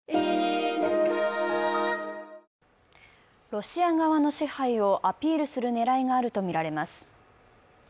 ロシア側の支配をアピールする狙いがあるとみられます。